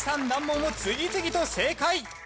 難問を次々と正解。